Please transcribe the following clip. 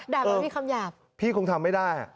ด่ากับผู้ดี